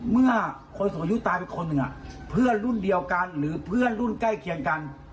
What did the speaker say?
เมื่อคนสูงอายุตายไปคนหนึ่งเพื่อนรุ่นเดียวกันหรือเพื่อนรุ่นใกล้เคียงกัน